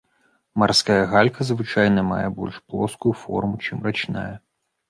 Марская галька звычайна мае больш плоскую форму, чым рачная.